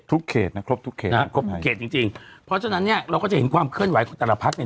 เขตนะครบทุกเขตนะฮะครบทุกเขตจริงจริงเพราะฉะนั้นเนี่ยเราก็จะเห็นความเคลื่อนไหวของแต่ละพักเนี่ย